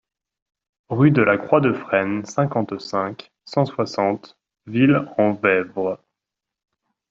Rue de la Croix de Fresnes, cinquante-cinq, cent soixante Ville-en-Woëvre